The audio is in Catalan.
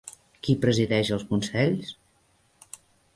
Qui presideix els consells?